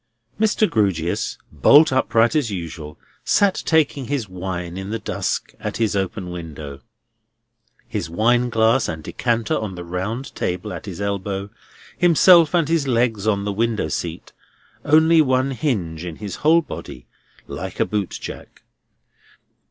Mr. Grewgious, bolt upright as usual, sat taking his wine in the dusk at his open window; his wineglass and decanter on the round table at his elbow; himself and his legs on the window seat; only one hinge in his whole body, like a bootjack.